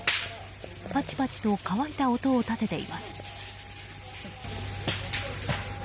パチパチと乾いた音を立てています。